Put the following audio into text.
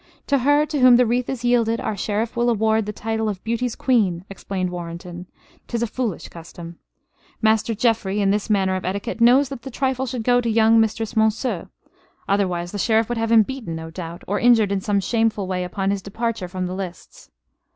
"To her to whom the wreath is yielded our Sheriff will award the title of Beauty's Queen," explained Warrenton. "'Tis a foolish custom. Master Geoffrey, in this matter of etiquette, knows that the trifle should go to young Mistress Monceux. Otherwise, the Sheriff would have him beaten, no doubt; or injured in some shameful way upon his departure from the lists."